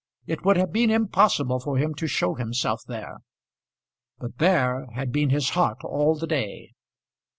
It would have been impossible for him to show himself there. But there had been his heart all the day.